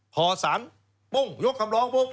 พอสารปุ้งยกคำร้องปุ๊บ